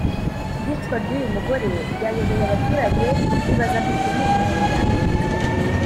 Iyicwa ry’uyu mugore ryayobeye abaturage bibazaga ukuntu umuntu yakwicwa